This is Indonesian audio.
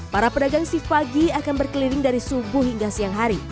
para pedagang shift pagi akan berkeliling dari subuh hingga siang hari